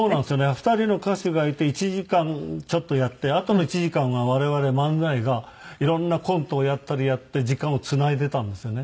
２人の歌手がいて１時間ちょっとやってあとの１時間は我々漫才が色んなコントをやったりやって時間をつないでいたんですよね。